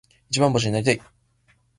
一番星になりたい。